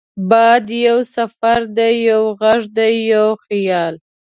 باد یو سفر دی، یو غږ دی، یو خیال